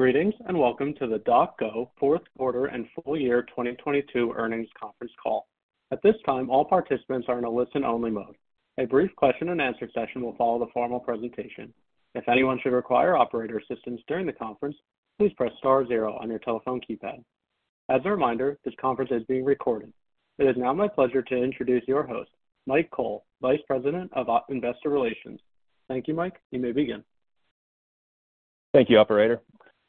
Greetings, welcome to the DocGo fourth quarter and full year 2022 earnings conference call. At this time, all participants are in a listen-only mode. A brief question and answer session will follow the formal presentation. If anyone should require operator assistance during the conference, please press star zero on your telephone keypad. As a reminder, this conference is being recorded. It is now my pleasure to introduce your host, Mike Cole, Vice President of Investor Relations. Thank you, Mike. You may begin. Thank you, operator.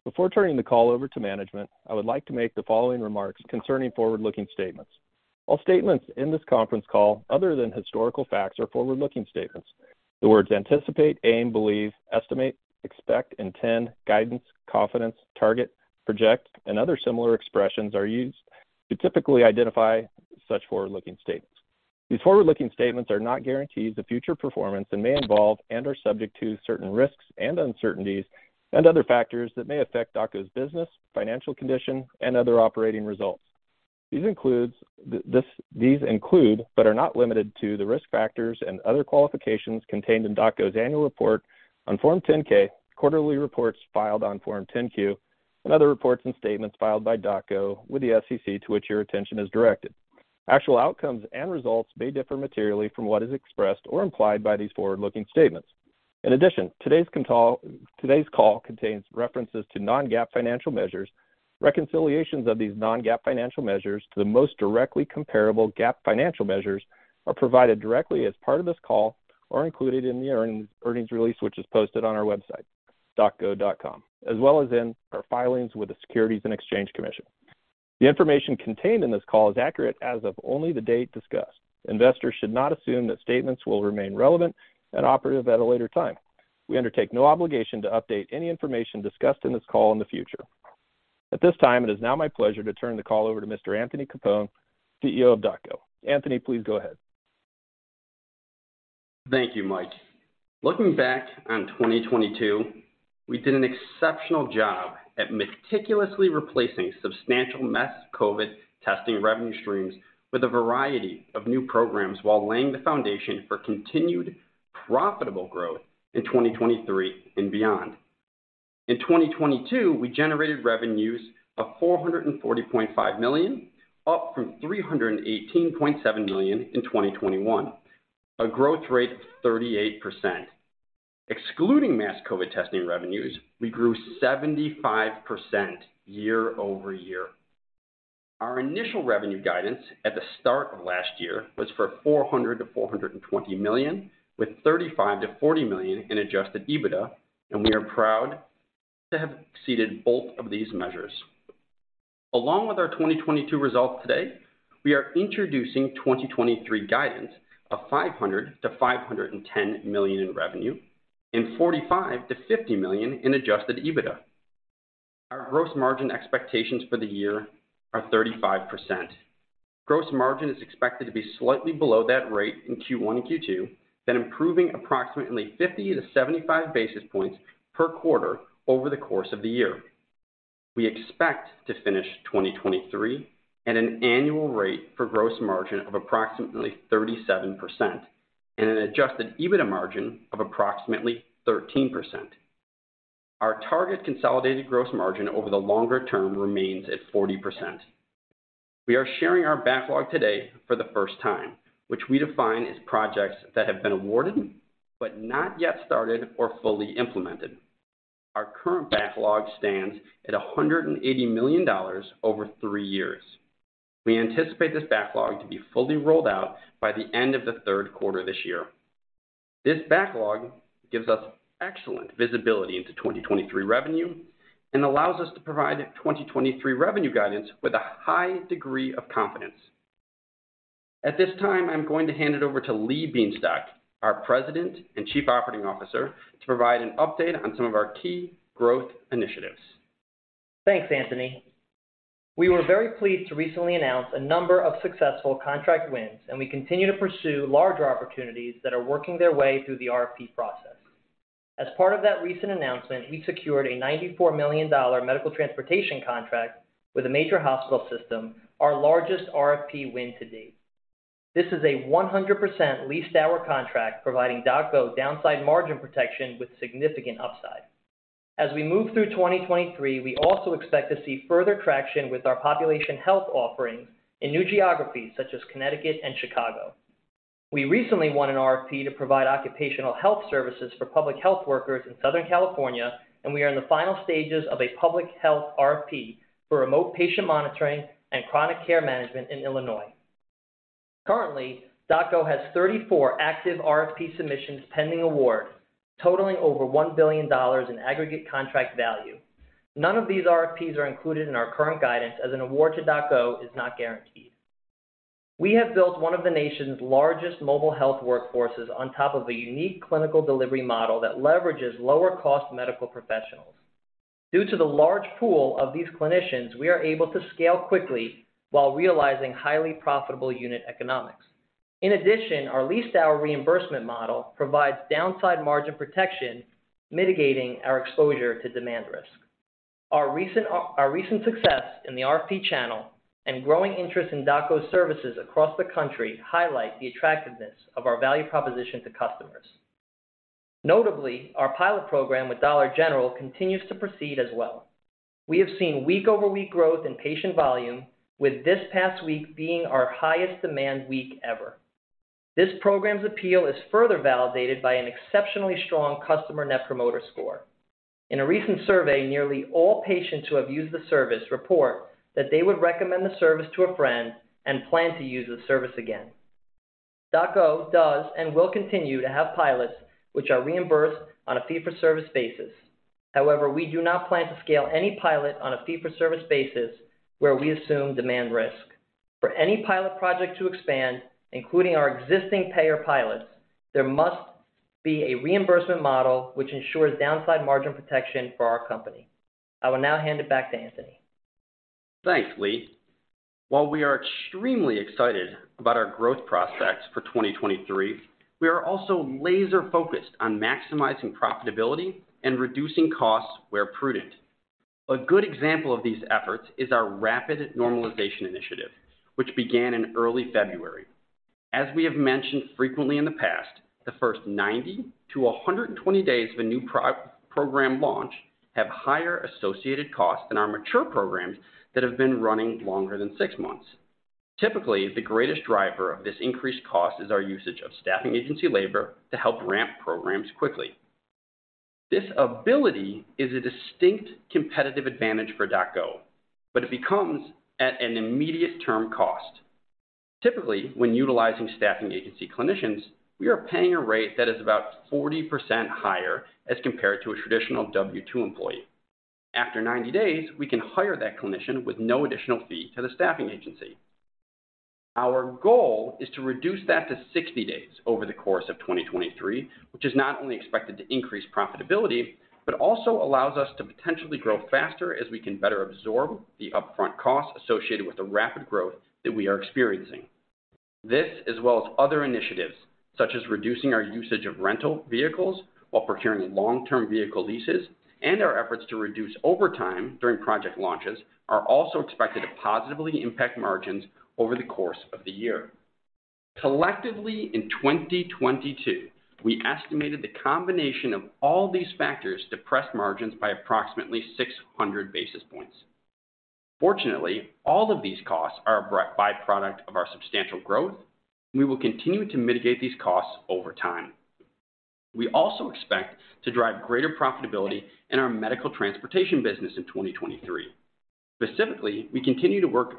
Before turning the call over to management, I would like to make the following remarks concerning forward-looking statements. All statements in this conference call other than historical facts or forward-looking statements, the words anticipate, aim, believe, estimate, expect, intend, guidance, confidence, target, project, and other similar expressions are used to typically identify such forward-looking statements. These forward-looking statements are not guarantees of future performance and may involve and are subject to certain risks and uncertainties and other factors that may affect DocGo's business, financial condition, and other operating results. These include, but are not limited to, the risk factors and other qualifications contained in DocGo's annual report on Form 10-K, quarterly reports filed on Form 10-Q, and other reports and statements filed by DocGo with the SEC to which your attention is directed. Actual outcomes and results may differ materially from what is expressed or implied by these forward-looking statements. In addition, today's call contains references to non-GAAP financial measures. Reconciliations of these non-GAAP financial measures to the most directly comparable GAAP financial measures are provided directly as part of this call or included in the earnings release, which is posted on our website, docgo.com, as well as in our filings with the Securities and Exchange Commission. The information contained in this call is accurate as of only the date discussed. Investors should not assume that statements will remain relevant and operative at a later time. We undertake no obligation to update any information discussed in this call in the future. At this time, it is now my pleasure to turn the call over to Mr. Anthony Capone, CEO of DocGo. Anthony, please go ahead. Thank you, Mike. Looking back on 2022, we did an exceptional job at meticulously replacing substantial mass COVID testing revenue streams with a variety of new programs while laying the foundation for continued profitable growth in 2023 and beyond. In 2022, we generated revenues of $440.5 million, up from $318.7 million in 2021, a growth rate of 38%. Excluding mass COVID testing revenues, we grew 75% year-over-year. Our initial revenue guidance at the start of last year was for $400 million-$420 million, with $35 million-$40 million in Adjusted EBITDA. We are proud to have exceeded both of these measures. Along with our 2022 results today, we are introducing 2023 guidance of $500 million-$510 million in revenue and $45 million-$50 million in Adjusted EBITDA. Our gross margin expectations for the year are 35%. Gross margin is expected to be slightly below that rate in Q1 and Q2, then improving approximately 50-75 basis points per quarter over the course of the year. We expect to finish 2023 at an annual rate for gross margin of approximately 37% and an Adjusted EBITDA margin of approximately 13%. Our target consolidated gross margin over the longer term remains at 40%. We are sharing our backlog today for the first time, which we define as projects that have been awarded but not yet started or fully implemented. Our current backlog stands at $180 million over three years. We anticipate this backlog to be fully rolled out by the end of the third quarter this year. This backlog gives us excellent visibility into 2023 revenue and allows us to provide 2023 revenue guidance with a high degree of confidence. At this time, I'm going to hand it over to Lee Bienstock, our President and Chief Operating Officer, to provide an update on some of our key growth initiatives. Thanks, Anthony. We were very pleased to recently announce a number of successful contract wins, and we continue to pursue larger opportunities that are working their way through the RFP process. As part of that recent announcement, we secured a $94 million medical transportation contract with a major hospital system, our largest RFP win to date. This is a 100% leased hour contract providing DocGo downside margin protection with significant upside. As we move through 2023, we also expect to see further traction with our population health offerings in new geographies such as Connecticut and Chicago. We recently won an RFP to provide occupational health services for public health workers in Southern California, and we are in the final stages of a public health RFP for remote patient monitoring and chronic care management in Illinois. Currently, DocGo has 34 active RFP submissions pending award, totaling over $1 billion in aggregate contract value. None of these RFPs are included in our current guidance, as an award to DocGo is not guaranteed. We have built one of the nation's largest mobile health workforces on top of a unique clinical delivery model that leverages lower cost medical professionals. Due to the large pool of these clinicians, we are able to scale quickly while realizing highly profitable unit economics. In addition, our leased hour reimbursement model provides downside margin protection, mitigating our exposure to demand risk. Our recent success in the RFP channel and growing interest in DocGo's services across the country highlight the attractiveness of our value proposition to customers. Notably, our pilot program with Dollar General continues to proceed as well. We have seen week-over-week growth in patient volume, with this past week being our highest demand week ever. This program's appeal is further validated by an exceptionally strong customer Net Promoter Score. In a recent survey, nearly all patients who have used the service report that they would recommend the service to a friend and plan to use the service again. DocGo does and will continue to have pilots which are reimbursed on a fee-for-service basis. We do not plan to scale any pilot on a fee-for-service basis where we assume demand risk. For any pilot project to expand, including our existing payer pilots, there must be a reimbursement model which ensures downside margin protection for our company. I will now hand it back to Anthony. Thanks, Lee. While we are extremely excited about our growth prospects for 2023, we are also laser-focused on maximizing profitability and reducing costs where prudent. A good example of these efforts is our Rapid Normalization Initiative, which began in early February. As we have mentioned frequently in the past, the first 90-120 days of a new program launch have higher associated costs than our mature programs that have been running longer than six months. Typically, the greatest driver of this increased cost is our usage of staffing agency labor to help ramp programs quickly. This ability is a distinct competitive advantage for DocGo, but it comes at an immediate term cost. Typically, when utilizing staffing agency clinicians, we are paying a rate that is about 40% higher as compared to a traditional W-2 employee. After 90 days, we can hire that clinician with no additional fee to the staffing agency. Our goal is to reduce that to 60 days over the course of 2023, which is not only expected to increase profitability, but also allows us to potentially grow faster as we can better absorb the upfront costs associated with the rapid growth that we are experiencing. This, as well as other initiatives, such as reducing our usage of rental vehicles while procuring long-term vehicle leases and our efforts to reduce overtime during project launches, are also expected to positively impact margins over the course of the year. Collectively, in 2022, we estimated the combination of all these factors depress margins by approximately 600 basis points. Fortunately, all of these costs are a by-product of our substantial growth, and we will continue to mitigate these costs over time. We also expect to drive greater profitability in our medical transportation business in 2023. Specifically, we continue to work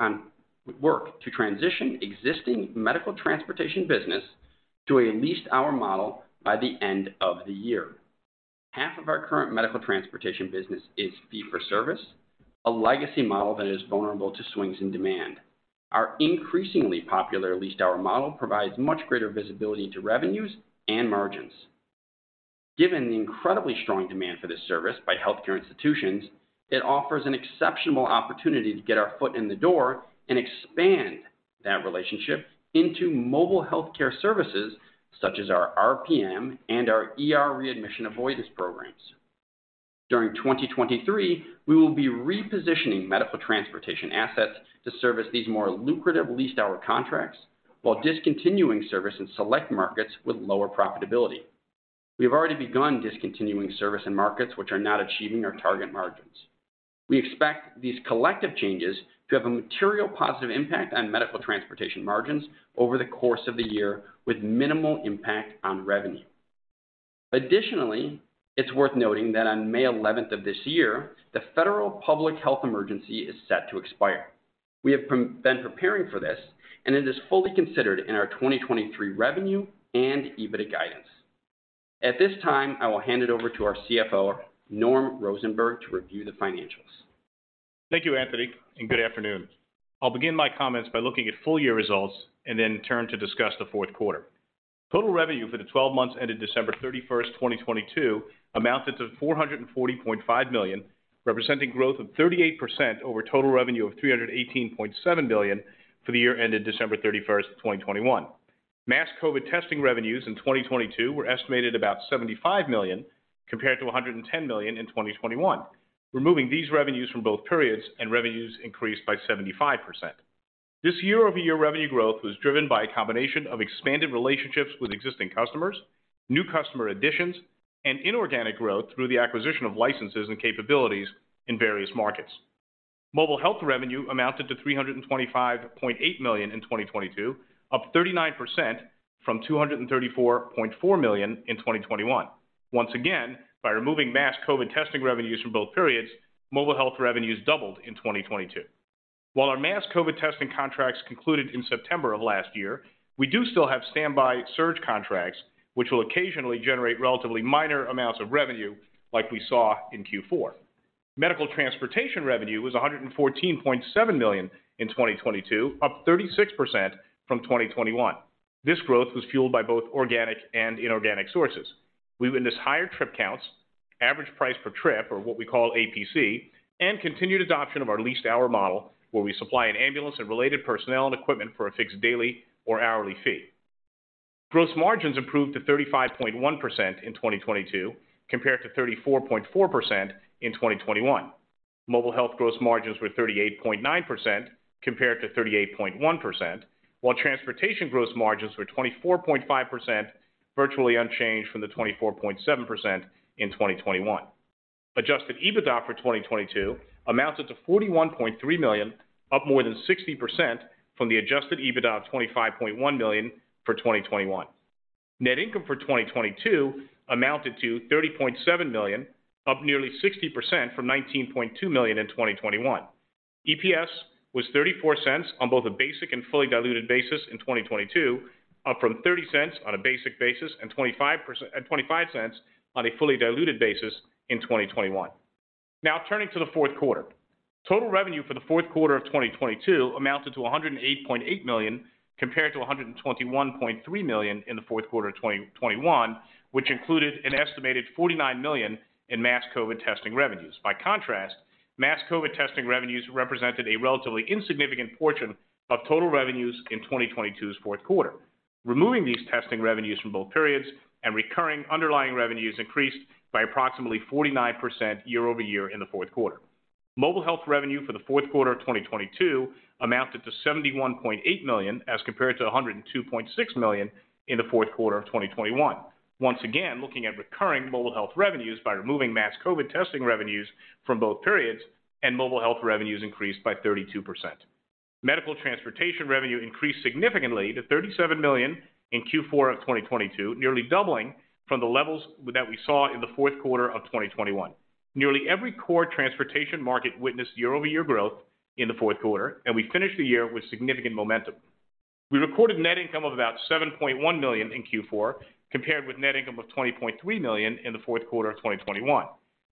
to transition existing medical transportation business to a leased hour model by the end of the year. Half of our current medical transportation business is fee-for-service, a legacy model that is vulnerable to swings in demand. Our increasingly popular leased hour model provides much greater visibility to revenues and margins. Given the incredibly strong demand for this service by healthcare institutions, it offers an exceptional opportunity to get our foot in the door and expand that relationship into mobile healthcare services such as our RPM and our ER readmission avoidance programs. During 2023, we will be repositioning medical transportation assets to service these more lucrative leased hour contracts while discontinuing service in select markets with lower profitability. We have already begun discontinuing service in markets which are not achieving our target margins. We expect these collective changes to have a material positive impact on medical transportation margins over the course of the year with minimal impact on revenue. Additionally, it's worth noting that on May 11 of this year, the federal Public Health Emergency is set to expire. We have been preparing for this, and it is fully considered in our 2023 revenue and EBITDA guidance. At this time, I will hand it over to our CFO, Norman Rosenberg, to review the financials. Thank you, Anthony. Good afternoon. I'll begin my comments by looking at full year results and then turn to discuss the fourth quarter. Total revenue for the 12 months ended December 31, 2022 amounted to $440.5 million, representing growth of 38% over total revenue of $318.7 million for the year ended December 31, 2021. Mass COVID testing revenues in 2022 were estimated about $75 million, compared to $110 million in 2021. Removing these revenues from both periods, revenues increased by 75%. This year-over-year revenue growth was driven by a combination of expanded relationships with existing customers, new customer additions, and inorganic growth through the acquisition of licenses and capabilities in various markets. Mobile health revenue amounted to $325.8 million in 2022, up 39% from $234.4 million in 2021. Once again, by removing mass COVID testing revenues from both periods, mobile health revenues doubled in 2022. While our mass COVID testing contracts concluded in September of last year, we do still have standby surge contracts, which will occasionally generate relatively minor amounts of revenue like we saw in Q4. Medical transportation revenue was $114.7 million in 2022, up 36% from 2021. This growth was fueled by both organic and inorganic sources. We win this higher trip counts, average price per trip or what we call APC, and continued adoption of our leased hour model, where we supply an ambulance and related personnel and equipment for a fixed daily or hourly fee. Gross margins improved to 35.1% in 2022 compared to 34.4% in 2021. Mobile health gross margins were 38.9% compared to 38.1%, while transportation gross margins were 24.5%, virtually unchanged from the 24.7% in 2021. Adjusted EBITDA for 2022 amounted to $41.3 million, up more than 60% from the Adjusted EBITDA of $25.1 million for 2021. Net income for 2022 amounted to $30.7 million, up nearly 60% from $19.2 million in 2021. EPS was $0.34 on both a basic and fully diluted basis in 2022, up from $0.30 on a basic basis and $0.25 on a fully diluted basis in 2021. Turning to the fourth quarter. Total revenue for the fourth quarter of 2022 amounted to $108.8 million compared to $121.3 million in the fourth quarter of 2021, which included an estimated $49 million in mass COVID testing revenues. By contrast, mass COVID testing revenues represented a relatively insignificant portion of total revenues in 2022's fourth quarter. Removing these testing revenues from both periods recurring underlying revenues increased by approximately 49% year-over-year in the fourth quarter. Mobile health revenue for the fourth quarter of 2022 amounted to $71.8 million, as compared to $102.6 million in the fourth quarter of 2021. Once again, looking at recurring mobile health revenues by removing mass COVID testing revenues from both periods mobile health revenues increased by 32%. Medical transportation revenue increased significantly to $37 million in Q4 of 2022, nearly doubling from the levels that we saw in the fourth quarter of 2021. Nearly every core transportation market witnessed year-over-year growth in the fourth quarter. We finished the year with significant momentum. We recorded net income of about $7.1 million in Q4, compared with net income of $20.3 million in the fourth quarter of 2021.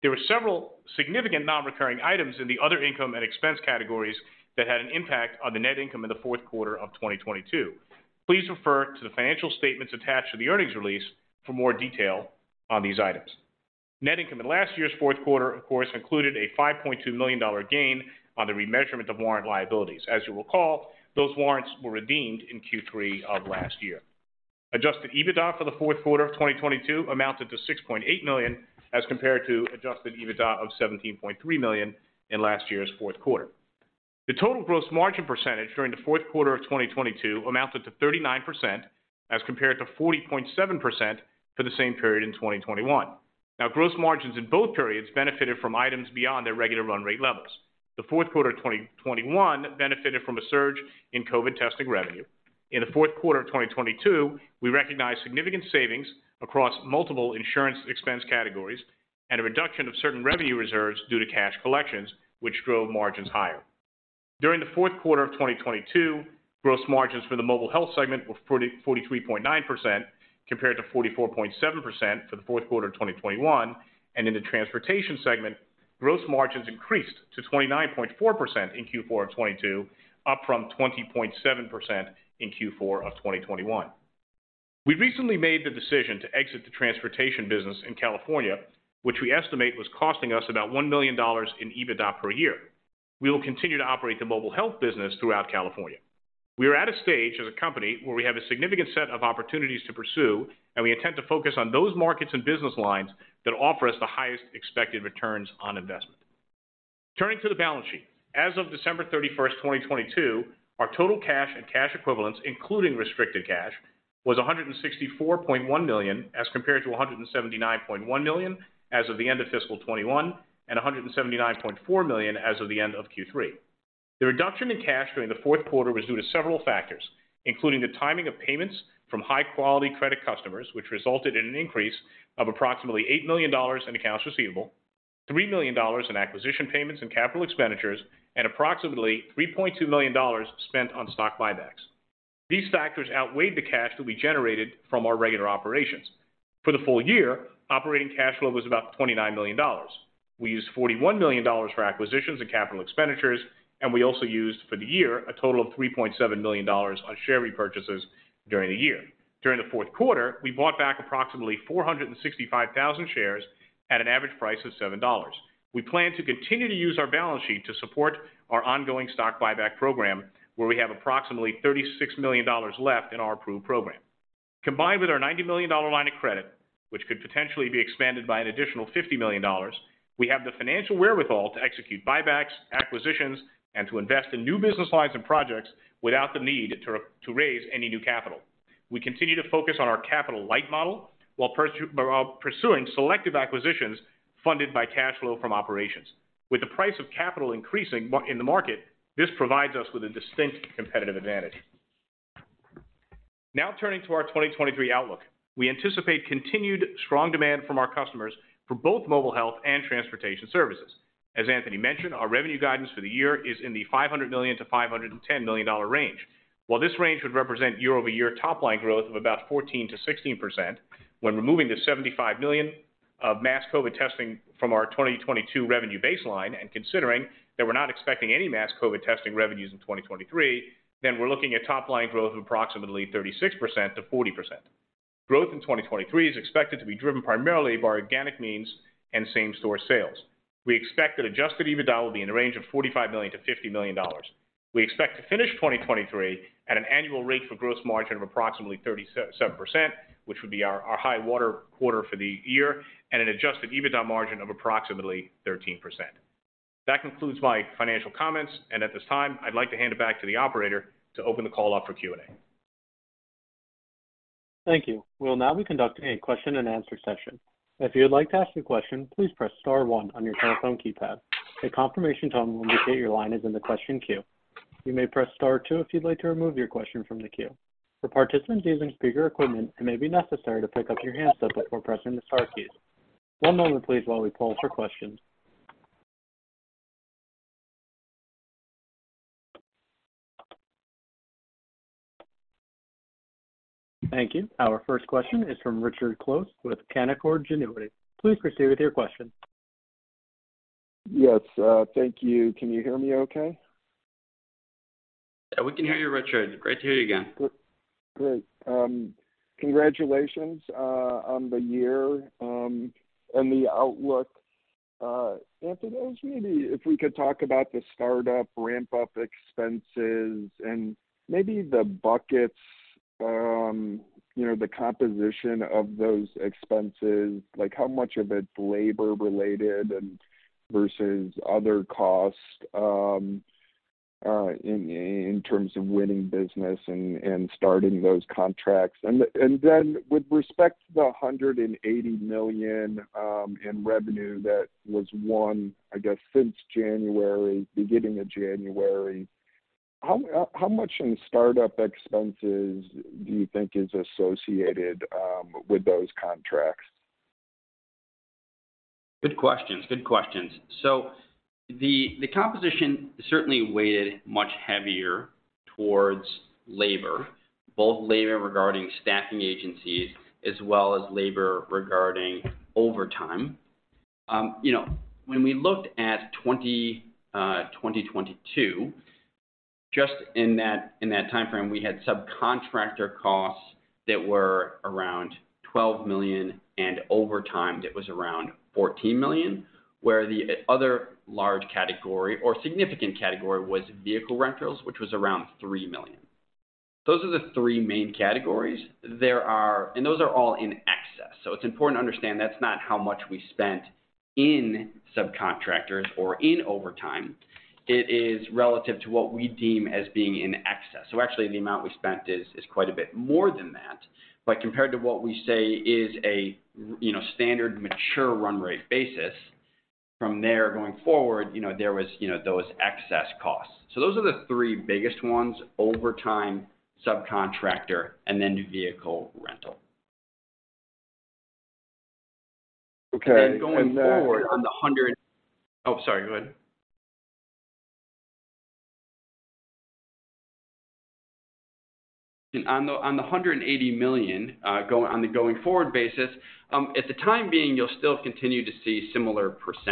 There were several significant non-recurring items in the other income and expense categories that had an impact on the net income in the fourth quarter of 2022. Please refer to the financial statements attached to the earnings release for more detail on these items. Net income in last year's fourth quarter, of course, included a $5.2 million gain on the remeasurement of warrant liabilities. As you'll recall, those warrants were redeemed in Q3 of last year. Adjusted EBITDA for the fourth quarter of 2022 amounted to $6.8 million, as compared to Adjusted EBITDA of $17.3 million in last year's fourth quarter. The total gross margin percentage during the fourth quarter of 2022 amounted to 39%, as compared to 40.7% for the same period in 2021. Gross margins in both periods benefited from items beyond their regular run rate levels. The fourth quarter of 2021 benefited from a surge in COVID testing revenue. In the fourth quarter of 2022, we recognized significant savings across multiple insurance expense categories and a reduction of certain revenue reserves due to cash collections, which drove margins higher. During the fourth quarter of 2022, gross margins for the mobile health segment were 43.9% compared to 44.7% for the fourth quarter of 2021. In the transportation segment, gross margins increased to 29.4% in Q4 of 2022, up from 20.7% in Q4 of 2021. We recently made the decision to exit the transportation business in California, which we estimate was costing us about $1 million in EBITDA per year. We will continue to operate the mobile health business throughout California. We are at a stage as a company where we have a significant set of opportunities to pursue, and we intend to focus on those markets and business lines that offer us the highest expected returns on investment. Turning to the balance sheet. As of December 31st, 2022, our total cash and cash equivalents, including restricted cash, was $164.1 million, as compared to $179.1 million as of the end of fiscal 2021 and $179.4 million as of the end of Q3. The reduction in cash during the fourth quarter was due to several factors, including the timing of payments from high-quality credit customers, which resulted in an increase of approximately $8 million in accounts receivable, $3 million in acquisition payments and capital expenditures, and approximately $3.2 million spent on stock buybacks. These factors outweighed the cash that we generated from our regular operations. For the full year, operating cash flow was about $29 million. We used $41 million for acquisitions and capital expenditures, and we also used for the year a total of $3.7 million on share repurchases during the year. During the fourth quarter, we bought back approximately 465,000 shares at an average price of $7. We plan to continue to use our balance sheet to support our ongoing stock buyback program, where we have approximately $36 million left in our approved program. Combined with our $90 million line of credit, which could potentially be expanded by an additional $50 million, we have the financial wherewithal to execute buybacks, acquisitions, and to invest in new business lines and projects without the need to raise any new capital. We continue to focus on our capital light model while pursuing selective acquisitions funded by cash flow from operations. With the price of capital increasing in the market, this provides us with a distinct competitive advantage. Turning to our 2023 outlook. We anticipate continued strong demand from our customers for both mobile health and transportation services. As Anthony mentioned, our revenue guidance for the year is in the $500 million-$510 million range. While this range would represent year-over-year top line growth of about 14%-16%, when removing the $75 million of mass COVID testing from our 2022 revenue baseline and considering that we're not expecting any mass COVID testing revenues in 2023, we're looking at top line growth of approximately 36%-40%. Growth in 2023 is expected to be driven primarily by organic means and same-store sales. We expect that Adjusted EBITDA will be in the range of $45 million-$50 million. We expect to finish 2023 at an annual rate for gross margin of approximately 37%, which would be our high water quarter for the year, and an Adjusted EBITDA margin of approximately 13%. That concludes my financial comments, and at this time, I'd like to hand it back to the operator to open the call up for Q&A. Thank you. We'll now be conducting a question-and-answer session. If you would like to ask a question, please press star one on your telephone keypad. A confirmation tone will indicate your line is in the question queue. You may press star two if you'd like to remove your question from the queue. For participants using speaker equipment, it may be necessary to pick up your handset before pressing the star keys. One moment please while we poll for questions. Thank you. Our first question is from Richard Close with Canaccord Genuity. Please proceed with your question. Yes, thank you. Can you hear me okay? Yeah, we can hear you, Richard. Great to hear you again. Great. Congratulations on the year and the outlook. Anthony, maybe if we could talk about the startup ramp up expenses and maybe the buckets, you know, the composition of those expenses, like how much of it's labor related and versus other costs in terms of winning business and starting those contracts. Then with respect to the $180 million in revenue that was won, I guess, since January, beginning of January, how much in startup expenses do you think is associated with those contracts? Good questions. The, the composition certainly weighted much heavier towards labor, both labor regarding staffing agencies as well as labor regarding overtime. You know, when we looked at 2022, just in that, in that timeframe, we had subcontractor costs that were around $12 million and overtime that was around $14 million, where the other large category or significant category was vehicle rentals, which was around $3 million. Those are the three main categories. Those are all in excess. It's important to understand that's not how much we spent in subcontractors or in overtime. It is relative to what we deem as being in excess. Actually the amount we spent is quite a bit more than that. Compared to what we say is a, you know, standard mature run rate basis, from there going forward, you know, there was, you know, those excess costs. Those are the three biggest ones: overtime, subcontractor, and then vehicle rental. Okay. On the $180 million, on the going forward basis, at the time being, you'll still continue to see similar %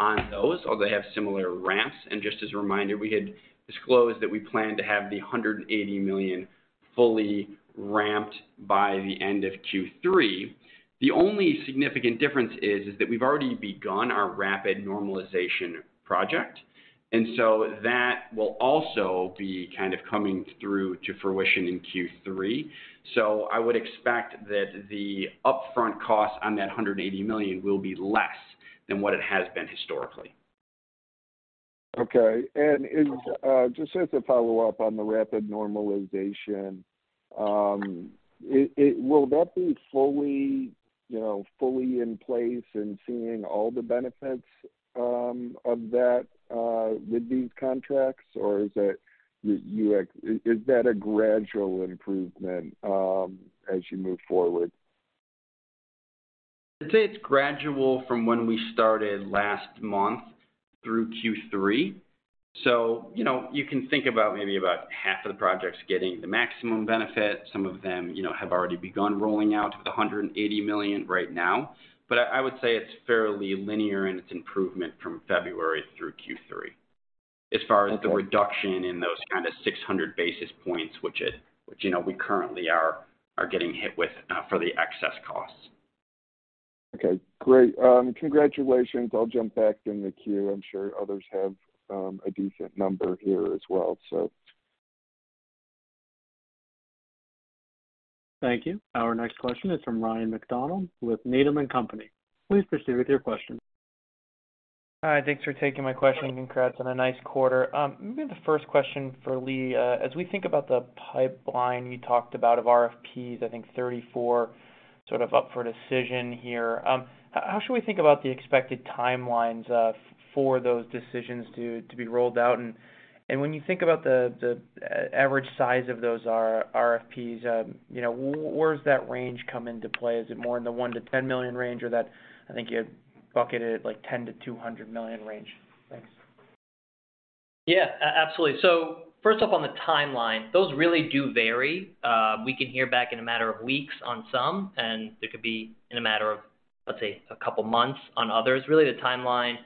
on those, or they have similar ramps. Just as a reminder, we had disclosed that we plan to have the $180 million fully ramped by the end of Q3. The only significant difference is that we've already begun our rapid normalization project, that will also be kind of coming through to fruition in Q3. I would expect that the upfront cost on that $180 million will be less than what it has been historically. Okay. In, just as a follow-up on the rapid normalization, Will that be fully, you know, fully in place and seeing all the benefits of that with these contracts? Is that a gradual improvement as you move forward? I'd say it's gradual from when we started last month through Q3. You know, you can think about maybe about half of the projects getting the maximum benefit. Some of them, you know, have already begun rolling out with the $180 million right now. I would say it's fairly linear in its improvement from February through Q3 as far as the reduction in those kind of 600 basis points, which, you know, we currently are getting hit with for the excess costs. Okay, great. congratulations. I'll jump back in the queue. I'm sure others have, a decent number here as well, so. Thank you. Our next question is from Ryan MacDonald with Needham & Company. Please proceed with your question. Hi. Thanks for taking my question. Congrats on a nice quarter. Maybe the first question for Lee. As we think about the pipeline you talked about of RFPs, I think 34 sort of up for decision here, how should we think about the expected timelines for those decisions to be rolled out? When you think about the average size of those RFPs, you know, where does that range come into play? Is it more in the $1 million-$10 million range or that I think you bucketed like $10 million-$200 million range? Thanks. Yeah. Absolutely. First off, on the timeline, those really do vary. We can hear back in a matter of weeks on some, and it could be in a matter of Let's say a couple months on others. Really, the timeline is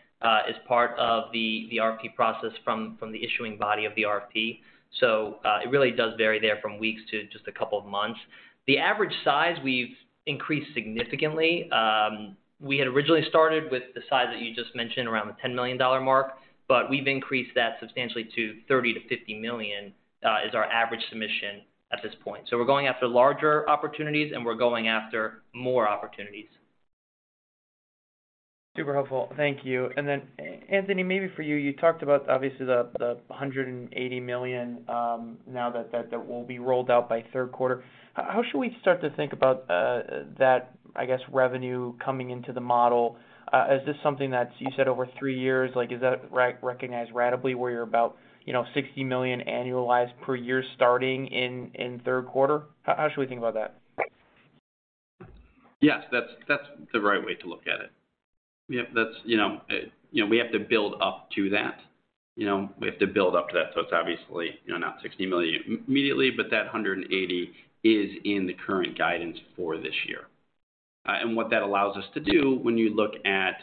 part of the RFP process from the issuing body of the RFP. It really does vary there from weeks to just a couple of months. The average size, we've increased significantly. We had originally started with the size that you just mentioned, around the $10 million mark, but we've increased that substantially to $30 million-$50 million is our average submission at this point. We're going after larger opportunities, and we're going after more opportunities. Super helpful. Thank you. Anthony, maybe for you talked about obviously the $180 million now that will be rolled out by third quarter. How should we start to think about that, I guess, revenue coming into the model? Is this something that's you said over 3 years, like, is that recognized ratably, where you're about, you know, $60 million annualized per year starting in third quarter? How should we think about that? Yes, that's the right way to look at it. Yeah, that's, you know, you know, we have to build up to that. You know, we have to build up to that. It's obviously, you know, not $60 million immediately, but that $180 million is in the current guidance for this year. What that allows us to do when you look at,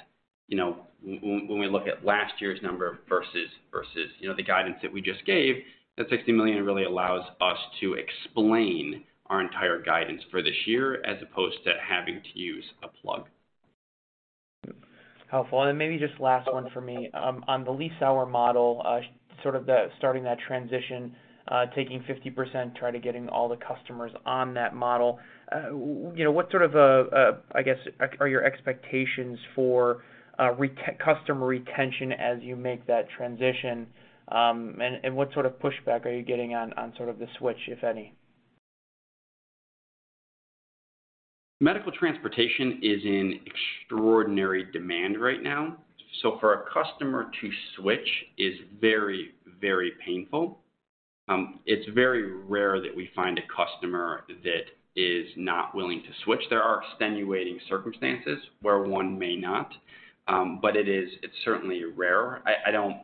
you know, when we look at last year's number versus, you know, the guidance that we just gave, that $60 million really allows us to explain our entire guidance for this year as opposed to having to use a plug. Helpful. Maybe just last one for me. On the leased hour model, sort of the starting that transition, taking 50%, try to getting all the customers on that model, you know, what sort of I guess, are your expectations for customer retention as you make that transition? What sort of pushback are you getting on sort of the switch, if any? Medical transportation is in extraordinary demand right now. For a customer to switch is very, very painful. It's very rare that we find a customer that is not willing to switch. There are extenuating circumstances where one may not, but it's certainly rare. I don't,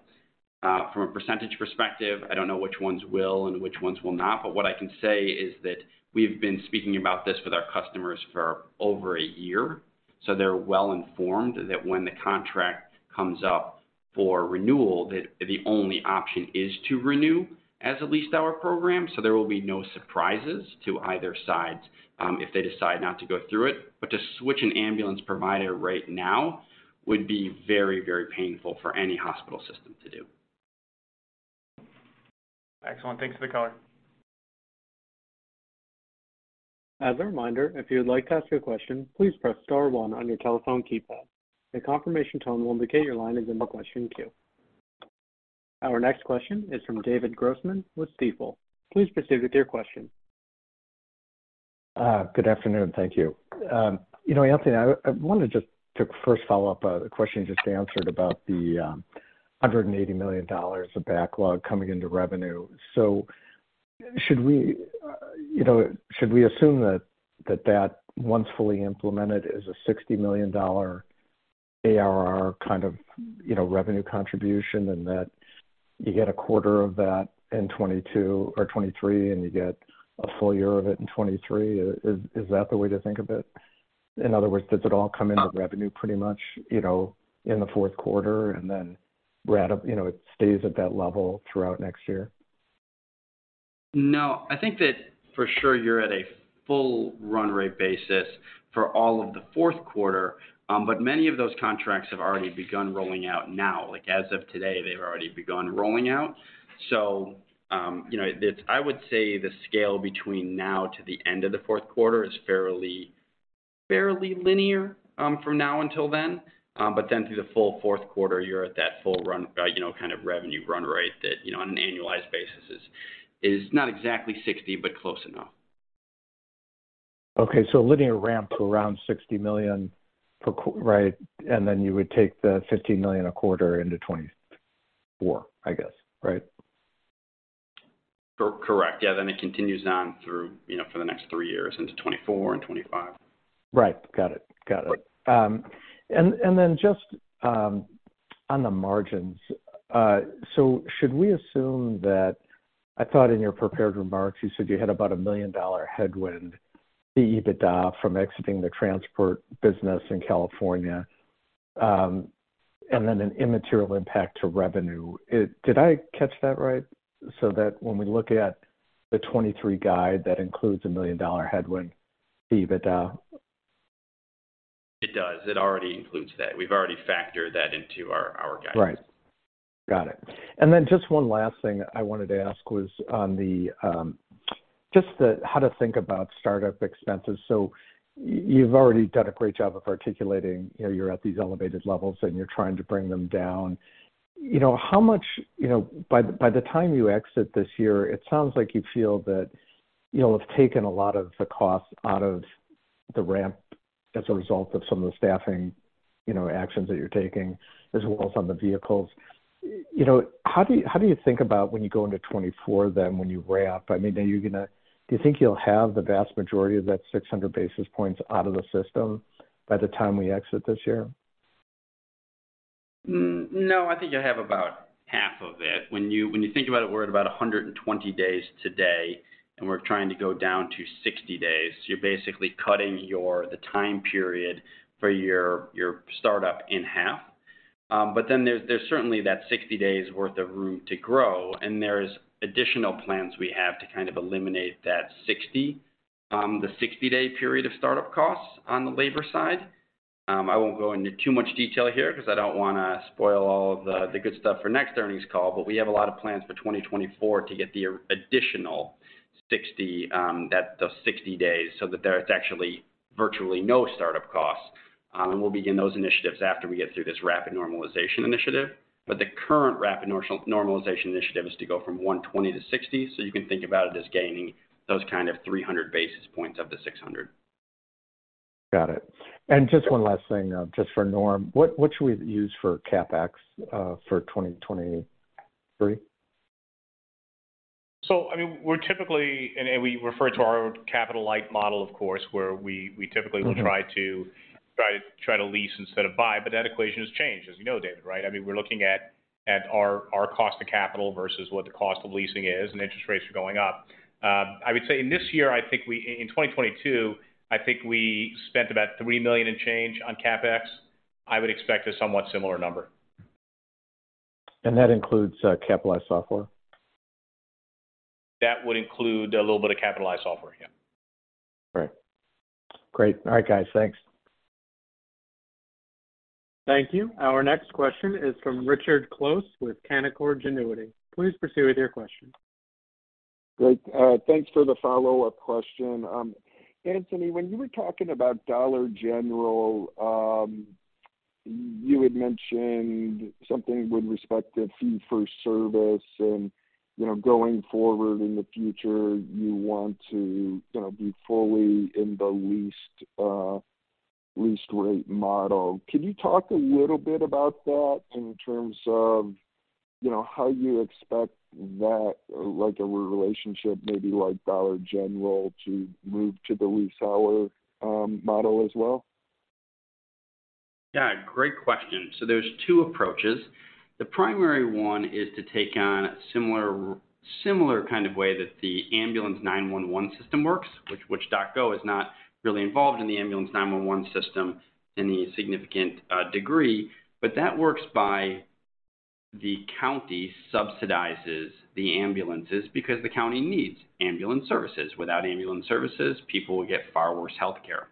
from a percentage perspective, I don't know which ones will and which ones will not, but what I can say is that we've been speaking about this with our customers for over a year, they're well informed that when the contract comes up for renewal, that the only option is to renew as a lease to our program. There will be no surprises to either sides if they decide not to go through it. To switch an ambulance provider right now would be very, very painful for any hospital system to do. Excellent. Thanks for the color. As a reminder, if you would like to ask a question, please press star one on your telephone keypad. A confirmation tone will indicate your line is in the question queue. Our next question is from David Grossman with Stifel. Please proceed with your question. Good afternoon. Thank you. you know, Anthony, I wanted to first follow up a question you just answered about the $180 million of backlog coming into revenue. should we, you know, should we assume that once fully implemented is a $60 million ARR kind of, you know, revenue contribution and that you get a quarter of that in 2022 or 2023 and you get a full year of it in 2023? Is that the way to think of it? In other words, does it all come into revenue pretty much, you know, in the fourth quarter and then rat up, you know, it stays at that level throughout next year? No, I think that for sure, you're at a full run rate basis for all of the fourth quarter, but many of those contracts have already begun rolling out now. Like, as of today, they've already begun rolling out. You know, I would say the scale between now to the end of the fourth quarter is fairly linear from now until then. Through the full fourth quarter, you're at that full run, you know, kind of revenue run rate that, you know, on an annualized basis is not exactly 60, but close enough. Okay. linear ramp to around $60 million per qu, right? Then you would take the $15 million a quarter into 2024, I guess, right? Correct. Yeah. It continues on through, you know, for the next three years into 2024 and 2025. Right. Got it. Got it. Then just on the margins, should we assume that I thought in your prepared remarks, you said you had about a $1 million headwind, the EBITDA from exiting the transport business in California, and then an immaterial impact to revenue. Did I catch that right? That when we look at the 2023 guide, that includes a $1 million headwind EBITDA. It does. It already includes that. We've already factored that into our guidance. Right. Got it. Just one last thing I wanted to ask was on the just the how to think about startup expenses. You've already done a great job of articulating, you know, you're at these elevated levels and you're trying to bring them down. You know, how much, you know, by the time you exit this year, it sounds like you feel that you'll have taken a lot of the costs out of the ramp as a result of some of the staffing, you know, actions that you're taking, as well as on the vehicles. You know, how do you, how do you think about when you go into 2024 then when you ramp? I mean, do you think you'll have the vast majority of that 600 basis points out of the system by the time we exit this year? No, I think you have about half of it. When you think about it, we're at about 120 days today, and we're trying to go down to 60 days. You're basically cutting the time period for your startup in half. There's certainly that 60 days worth of room to grow, and there's additional plans we have to kind of eliminate that 60, the 60-day period of startup costs on the labor side. I won't go into too much detail here because I don't wanna spoil all of the good stuff for next earnings call. We have a lot of plans for 2024 to get the additional 60, those 60 days so that there's actually virtually no startup costs. We'll begin those initiatives after we get through this rapid normalization initiative. The current rapid normalization initiative is to go from 120 to 60. You can think about it as gaining those kind of 300 basis points of the 600. Got it. Just one last thing, just for Norm. What should we use for CapEx for 2023? I mean, we're typically. We refer to our capital-light model, of course, where we will try to lease instead of buy. That equation has changed, as you know, David, right? I mean, we're looking at our cost of capital versus what the cost of leasing is. Interest rates are going up. I would say in this year, I think we in 2022, I think we spent about $3 million in change on CapEx. I would expect a somewhat similar number. That includes capitalized software? That would include a little bit of capitalized software. Yeah. Great. Great. All right, guys. Thanks. Thank you. Our next question is from Richard Close with Canaccord Genuity. Please proceed with your question. Great. thanks for the follow-up question. Anthony, when you were talking about Dollar General, you had mentioned something with respect to fee for service and, you know, going forward in the future, you want to, you know, be fully in the leased rate model. Can you talk a little bit about that in terms of, you know, how you expect that, like, a relationship, maybe like Dollar General to move to the leased hour model as well? Yeah, great question. There's two approaches. The primary one is to take on similar kind of way that the ambulance 911 system works, which DocGo is not really involved in the ambulance 911 system in any significant degree. That works by the county subsidizes the ambulances because the county needs ambulance services. Without ambulance services, people will get far worse healthcare.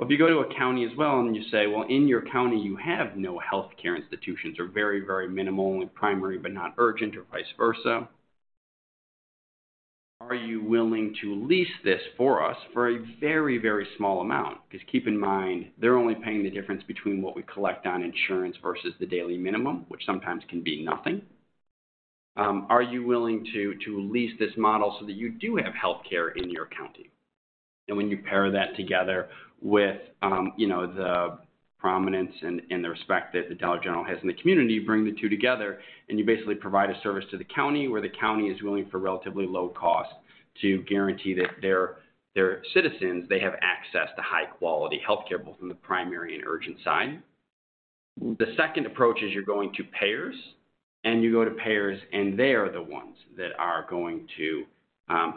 If you go to a county as well, and you say, "Well, in your county, you have no healthcare institutions or very, very minimal and primary, but not urgent or vice versa. Are you willing to lease this for us for a very, very small amount?" Keep in mind, they're only paying the difference between what we collect on insurance versus the daily minimum, which sometimes can be nothing. Are you willing to lease this model so that you do have healthcare in your county? When you pair that together with, you know, the prominence and the respect that the Dollar General has in the community, you bring the two together, and you basically provide a service to the county where the county is willing for relatively low cost to guarantee that their citizens, they have access to high quality healthcare, both from the primary and urgent side. The second approach is you're going to payers, and you go to payers, and they are the ones that are going to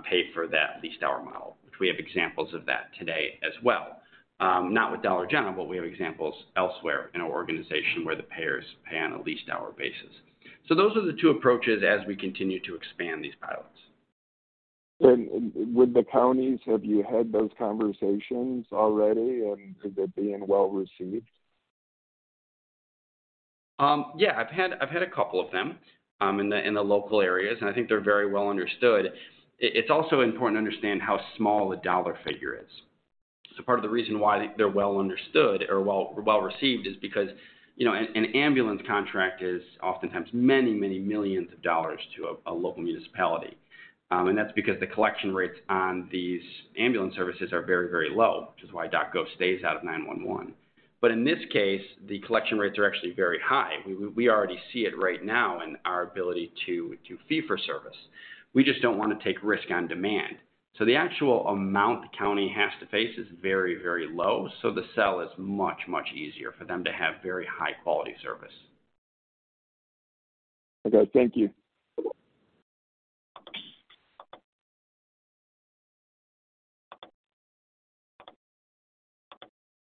pay for that leased hour model, which we have examples of that today as well. Not with Dollar General, but we have examples elsewhere in our organization where the payers pay on a leased hour basis. Those are the two approaches as we continue to expand these pilots. With the counties, have you had those conversations already, and is it being well-received? Yeah. I've had a couple of them in the local areas, and I think they're very well understood. It's also important to understand how small the dollar figure is. Part of the reason why they're well understood or well-received is because, you know, an ambulance contract is oftentimes many millions of dollars to a local municipality. That's because the collection rates on these ambulance services are very, very low, which is why DocGo stays out of 911. In this case, the collection rates are actually very high. We already see it right now in our ability to fee-for-service. We just don't wanna take risk on demand. The actual amount the county has to face is very, very low. The sell is much, much easier for them to have very high quality service. Okay. Thank you.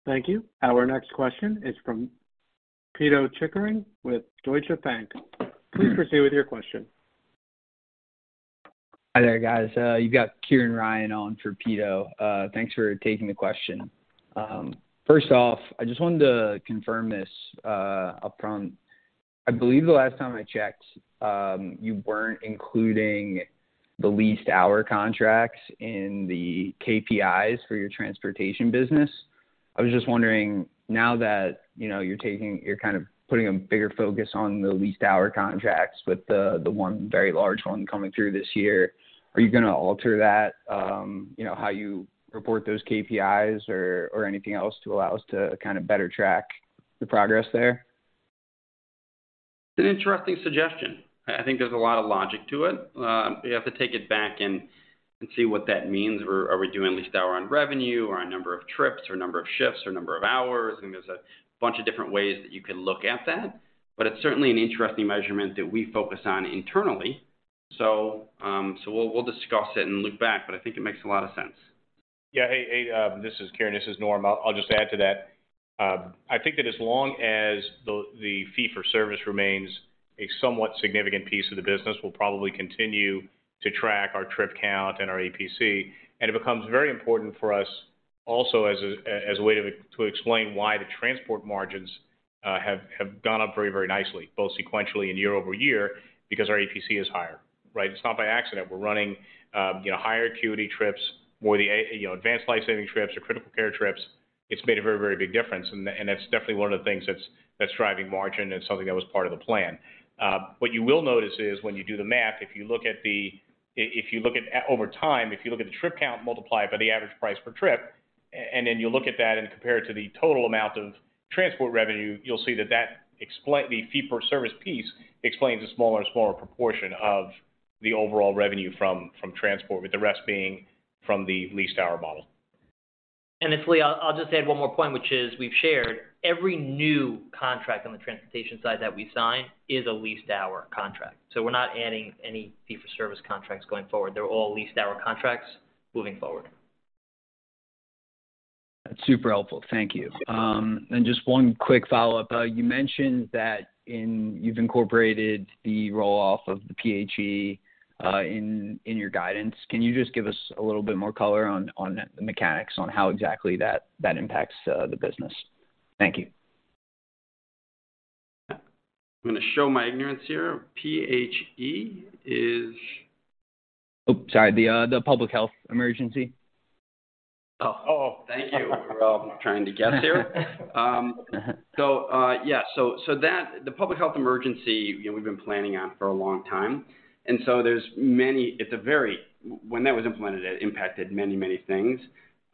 Thank you. Our next question is from Pito Chickering with Deutsche Bank. Please proceed with your question. Hi there, guys. You got Kieran Ryan on for Pito. Thanks for taking the question. First off, I just wanted to confirm this upfront. I believe the last time I checked, you weren't including the leased hour contracts in the KPIs for your transportation business. I was just wondering, now that, you know, you're kind of putting a bigger focus on the leased hour contracts with the one very large one coming through this year, are you gonna alter that, you know, how you report those KPIs or anything else to allow us to kind of better track the progress there? It's an interesting suggestion. I think there's a lot of logic to it. We have to take it back and see what that means. Are we doing leased hour on revenue, or on number of trips, or number of shifts, or number of hours? I think there's a bunch of different ways that you could look at that, but it's certainly an interesting measurement that we focus on internally. We'll discuss it and look back, but I think it makes a lot of sense. Hey, hey, this is Kieran. This is Norm. I'll just add to that. I think that as long as the fee-for-service remains a somewhat significant piece of the business, we'll probably continue to track our trip count and our APC. It becomes very important for us also as a way to explain why the transport margins have gone up very, very nicely, both sequentially and year-over-year, because our APC is higher, right? It's not by accident we're running, you know, higher acuity trips, more the, you know, Advanced Life Support trips or critical care trips. It's made a very big difference, and that's definitely one of the things that's driving margin and something that was part of the plan. What you will notice is when you do the math, if you look at over time, if you look at the trip count, multiply it by the average price per trip, and then you look at that and compare it to the total amount of transport revenue, you'll see that the fee-for-service piece explains a smaller and smaller proportion of the overall revenue from transport, with the rest being from the leased hour model. It's Lee. I'll just add one more point, which is we've shared every new contract on the transportation side that we sign is a leased hour contract. We're not adding any fee-for-service contracts going forward. They're all leased hour contracts moving forward. That's super helpful. Thank you. Just one quick follow-up. You mentioned that you've incorporated the roll-off of the PHE in your guidance. Can you just give us a little bit more color on the mechanics on how exactly that impacts the business? Thank you. I'm gonna show my ignorance here. PHE is? Oh, sorry. The, the Public Health Emergency. Thank you. We're all trying to get there. Yeah. So that The Public Health Emergency, you know, we've been planning on for a long time, there's many... It's a very... when that was implemented, it impacted many, many things.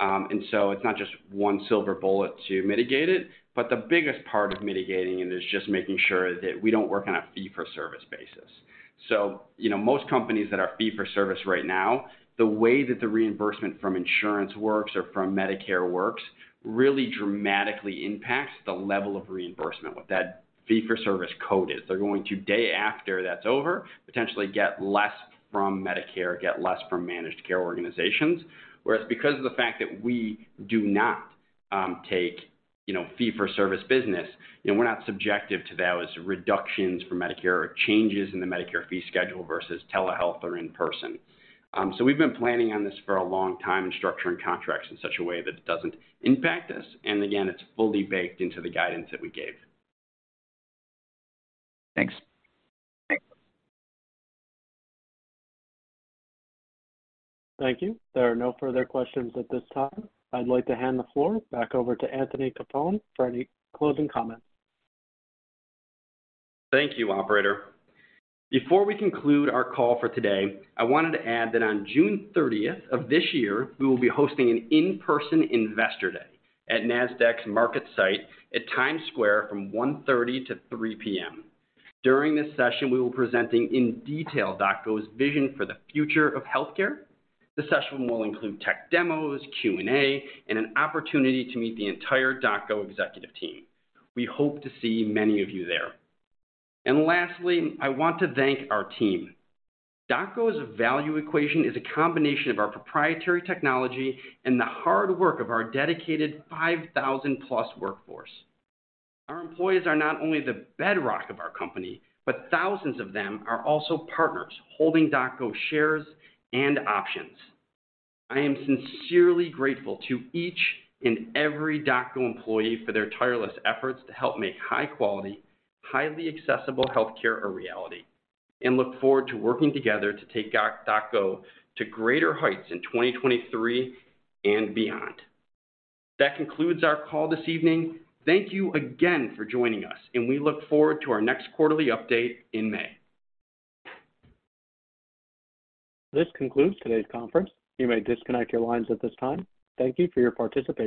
It's not just one silver bullet to mitigate it, but the biggest part of mitigating it is just making sure that we don't work on a fee-for-service basis. You know, most companies that are fee-for-service right now, the way that the reimbursement from insurance works or from Medicare works really dramatically impacts the level of reimbursement, what that fee-for-service code is. They're going to, day after that's over, potentially get less from Medicare, get less from managed care organizations. Whereas because of the fact that we do not take, you know, fee-for-service business, you know, we're not subjective to those reductions for Medicare or changes in the Medicare fee schedule versus telehealth or in person. So we've been planning on this for a long time and structuring contracts in such a way that it doesn't impact us. Again, it's fully baked into the guidance that we gave. Thanks. Thanks. Thank you. There are no further questions at this time. I'd like to hand the floor back over to Anthony Capone for any closing comments. Thank you, operator. Before we conclude our call for today, I wanted to add that on June 30th of this year, we will be hosting an in-person investor day at Nasdaq's market site at Times Square from 1:30 P.M.-3:00 P.M. During this session, we will be presenting in detail DocGo's vision for the future of healthcare. The session will include tech demos, Q&A, and an opportunity to meet the entire DocGo executive team. We hope to see many of you there. Lastly, I want to thank our team. DocGo's value equation is a combination of our proprietary technology and the hard work of our dedicated 5,000+ workforce. Our employees are not only the bedrock of our company, but thousands of them are also partners holding DocGo shares and options. I am sincerely grateful to each and every DocGo employee for their tireless efforts to help make high quality, highly accessible healthcare a reality. Look forward to working together to take DocGo to greater heights in 2023 and beyond. That concludes our call this evening. Thank you again for joining us. We look forward to our next quarterly update in May. This concludes today's conference. You may disconnect your lines at this time. Thank you for your participation.